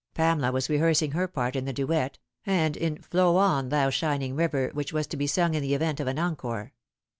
Pamela was rehearsing her part in the duet, and in " Flow on, thou shining river," which was to be sung in the event of an encore.